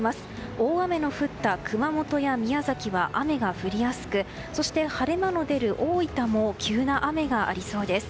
大雨の降った熊本や宮崎は雨が降りやすくそして晴れ間の出る大分も急な雨がありそうです。